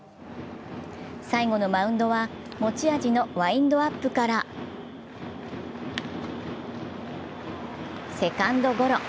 最後のマウンドは持ち味のワインドアップからセカンドゴロ。